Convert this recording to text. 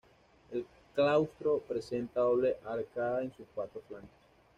El claustro presenta doble arcada en sus cuatro flancos.